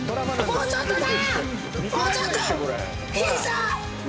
もうちょっとだ！